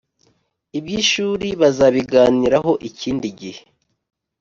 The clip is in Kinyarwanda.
iby ishuri bazabiganiraho ikindi gihe